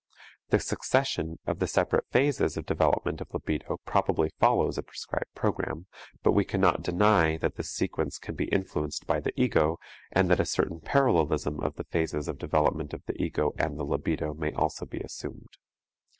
The succession of the separate phases of development of libido probably follows a prescribed program; but we cannot deny that this sequence can be influenced by the ego, and that a certain parallelism of the phases of development of the ego and the libido may also be assumed.